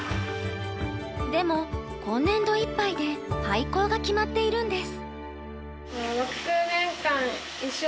でも今年度いっぱいで廃校が決まっているんです。